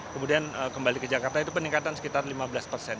kemudian kembali ke jakarta itu peningkatan sekitar lima belas persen